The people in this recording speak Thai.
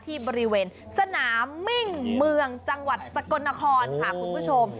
ที่บริเวณสนามมิ่งเมืองจังหวัดสกลนครค่ะคุณผู้ชม